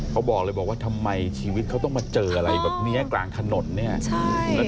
เขาบอกเลยบอกว่าทำไมชีวิตเขาต้องมาเจออะไรแบบนี้กลางถนนเนี่ย